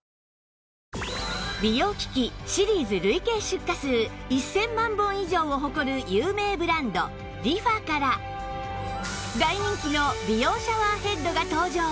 美容機器シリーズ累計出荷数１０００万本以上を誇る有名ブランドリファから大人気の美容シャワーヘッドが登場！